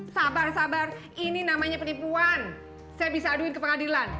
sabar sabar ini namanya penipuan saya bisa aduin ke pengadilan